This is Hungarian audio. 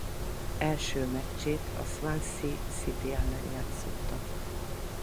Első meccsét a Swansea City ellen játszotta.